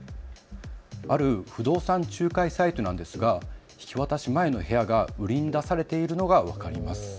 ある不動産仲介サイトなんですが引き渡し前の部屋が売りに出されているのが分かります。